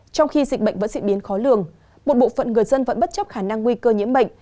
trong khi dịch bệnh vẫn diễn biến khó lường một bộ phận người dân vẫn bất chấp khả năng nguy cơ nhiễm bệnh